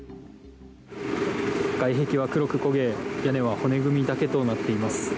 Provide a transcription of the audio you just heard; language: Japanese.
外壁は黒く焦げ屋根は骨組みだけとなっています。